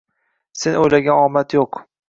Sen oʻylagan omad yoʻq